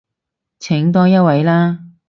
請多一位啦